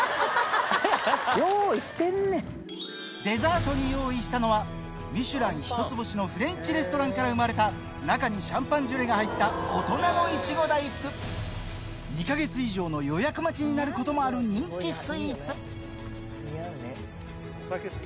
デザートに用意したのはミシュラン一つ星のフレンチレストランから生まれた中にシャンパンジュレが入った大人のイチゴ大福２か月以上の予約待ちになることもある人気スイーツうん！